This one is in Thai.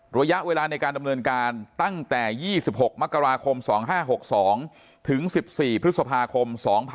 ระยะเวลาในการดำเนินการตั้งแต่๒๖มกราคม๒๕๖๒ถึง๑๔พฤษภาคม๒๕๖๒